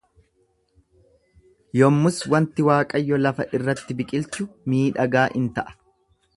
Yommus wanti Waaqayyo lafa irratti biqilchu miidhagaa in ta'a.